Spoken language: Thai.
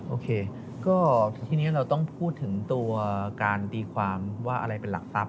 โอเคก็ทีนี้เราต้องพูดถึงตัวการตีความว่าอะไรเป็นหลักทรัพย